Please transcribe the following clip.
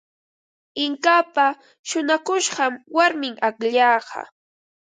Inkapa shuñakushqan warmim akllaqa.